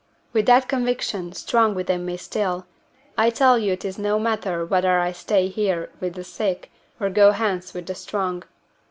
With that conviction strong within me still, I tell you it is no matter whether I stay here with the sick, or go hence with the strong.